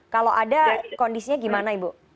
kalau ada kondisinya gimana ibu